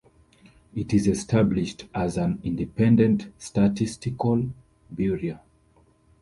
It is established as an independent statistical bureau.